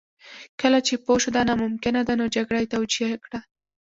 کله چې پوه شو دا ناممکنه ده نو جګړه یې توجیه کړه